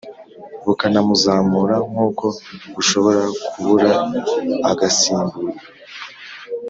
bukanamuzamura nkuko bushobora kubura agasimburwa.